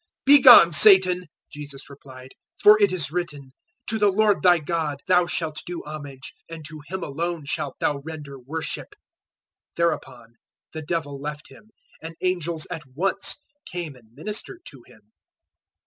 004:010 "Begone, Satan!" Jesus replied; "for it is written, `To the Lord thy God thou shalt do homage, and to Him alone shalt thou render worship.'" 004:011 Thereupon the Devil left Him, and angels at once came and ministered to Him.